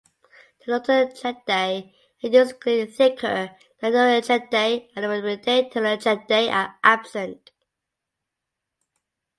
The notochaetae are distinctly thicker than the neurochaetae and bidentate neurochaetae are absent.